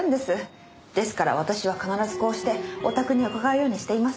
ですから私は必ずこうしてお宅に伺うようにしています。